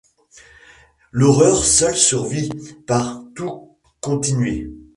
L’horreur seule survit, par tout continuée.